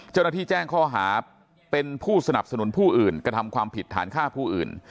เจ้าหน้าที่แจ้งข้อหาเป็นผู้สนับสนุนผู้อื่นกระทำความผิดฐานฆ่าผู้อื่น